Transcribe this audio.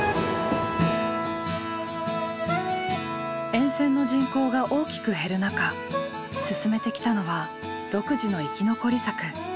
沿線の人口が大きく減る中進めてきたのは独自の生き残り策。